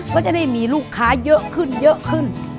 ก็จะได้มีลูกค้าเยอะขึ้น